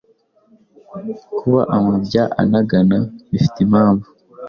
Kuba amabya anagana bifite impamvu.